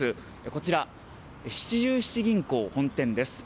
こちら、七十七銀行本店です。